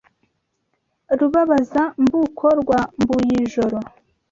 Rubabaza-mbuko rwa Mbuyijoro